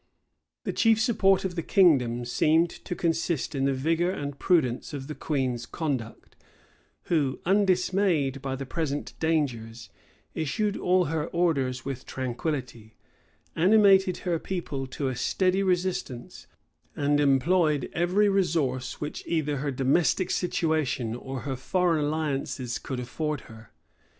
The chief support of the kingdom seemed to consist in the vigor and prudence of the queen's conduct; who, undismayed by the present dangers, issued all her orders with tranquillity, animated her people to a steady resistance, and employed every resource which either her domestic situation or her foreign alliances could afford her.